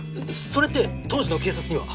それって当時の警察には？